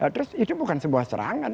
terus itu bukan sebuah serangan